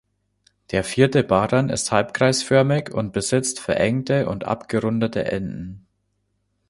Der vierte Barren ist halbkreisförmig und besitzt verengte und abgerundete Enden.